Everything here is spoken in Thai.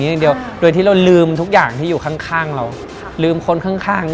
อย่างเดียวโดยที่เราลืมทุกอย่างที่อยู่ข้างข้างเราลืมคนข้างข้าง